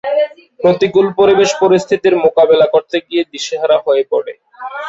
প্রতিকূল পরিবেশ পরিস্থিতির মোকাবেলা করতে গিয়ে দিশেহারা হয়ে পড়ে।